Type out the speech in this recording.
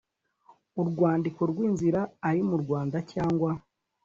urwandiko rw inzira ari mu rwanda cyangwa